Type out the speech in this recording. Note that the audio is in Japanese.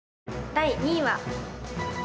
第２位は。